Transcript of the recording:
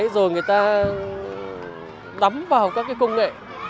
rồi người ta đắm vào các công nghệ